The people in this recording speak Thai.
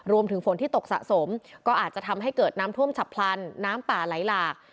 ฝนที่ตกสะสมก็อาจจะทำให้เกิดน้ำท่วมฉับพลันน้ำป่าไหลหลาก